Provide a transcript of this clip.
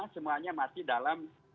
semuanya masih dalam